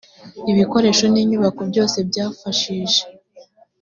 ibikoresho n inyubako byose byafashije